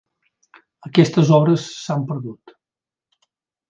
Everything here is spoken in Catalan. Aquestes obres s'han perdut.